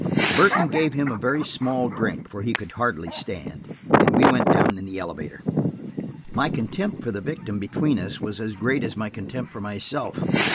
Burton gave him a very small drink, for he could scarcely stand, and we went down in the elevator. My contempt for the victim between us was as great as my contempt for myself.